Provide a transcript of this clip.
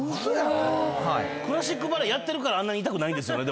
クラシックバレエやってるからあんなに痛くないんですよね？